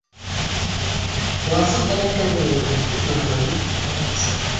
—Валсыҡ эләккәндер ул унда, —тип мығырланы Ҡалпаҡсы.